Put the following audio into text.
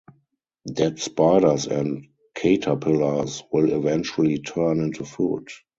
Dead spiders and caterpillars will eventually turn into food.